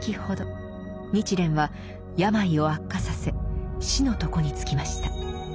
日蓮は病を悪化させ死の床につきました。